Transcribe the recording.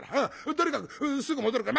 とにかくすぐ戻るから。